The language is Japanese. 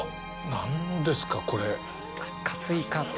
何ですか、これ！？